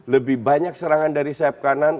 lebih banyak serangan dari sayap kanan